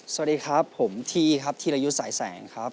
สวัสดีครับผมทีครับธีรยุทธ์สายแสงครับ